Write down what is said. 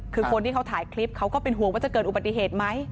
คือคนที่เขาถ่ายคลิปเขาก็เป็นห่วงว่าจะเกิดอุบัติเหตุไหม